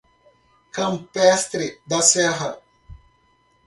Campestre da Serra